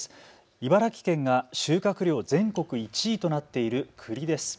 茨城県が収穫量全国１位となっているくりです。